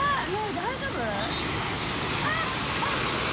大丈夫？